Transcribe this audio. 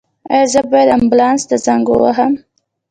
ایا زه باید امبولانس ته زنګ ووهم؟